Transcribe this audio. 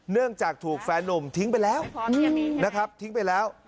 เนื่องจากถูกแฟนนุ่มทิ้งไปแล้วนะครับทิ้งไปแล้ว